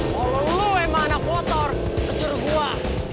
kalau lo emang anak motor kejur gua